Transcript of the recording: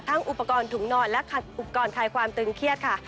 อุปกรณ์ถุงนอนและอุปกรณ์คลายความตึงเครียดค่ะ